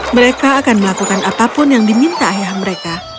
mereka akan melakukan apapun yang diminta ayah mereka